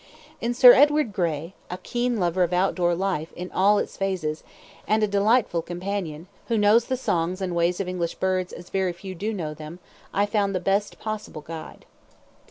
In Sir Edward Grey, a keen lover of outdoor life in all its phases, and a delightful companion, who knows the songs and ways of English birds as very few do know them, I found the best possible guide.